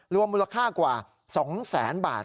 รวมมูลค่ากว่า๒๐๐๐๐๐บาท